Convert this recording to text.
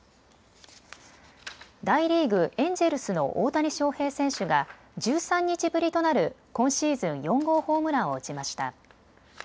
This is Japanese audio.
大リーグ、エンジェルスの大谷翔平選手が１３日ぶりとなる今シーズン４号ホームランを打ちました。